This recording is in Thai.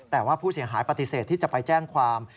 แต่ว่าผู้เสียหายปฏิเสธที่จะไปแจ้งความ